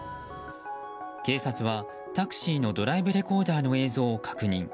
警察は、タクシーのドライブレコーダーの映像を確認。